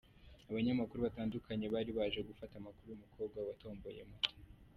Abanyamakuru batandukanye bari baje gufata amakuru y'umukobwa watomboye Moto.